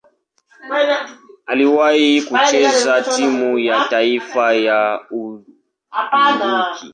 Aliwahi kucheza timu ya taifa ya Uturuki.